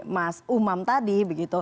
mas umam tadi